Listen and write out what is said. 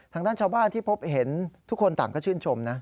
ทางด้านชาวบ้านที่พบเห็นทุกคนต่างก็ชื่นชมนะ